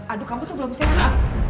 aduh kamu tuh belum sehat